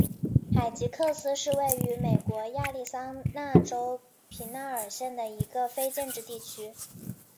海吉克斯是位于美国亚利桑那州皮纳尔县的一个非建制地区。